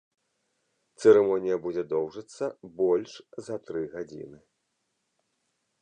Цырымонія будзе доўжыцца больш за тры гадзіны.